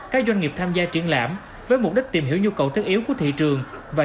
các doanh nghiệp tham gia triển lãm với mục đích tìm hiểu nhu cầu thiết yếu của thị trường và